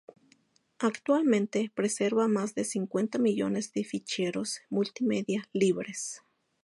Actualmente preserva más de cincuenta millones de ficheros multimedia libres.